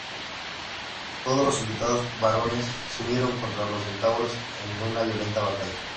Todos los invitados varones se unieron contra los centauros en una violenta batalla.